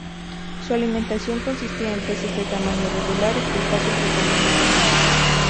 Su alimentación consistía en peces de tamaño regular y crustáceos de tamaño grande.